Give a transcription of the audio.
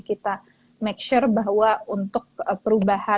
kita make sure bahwa untuk perubahan